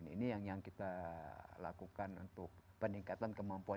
ini yang kita lakukan untuk peningkatan kemampuan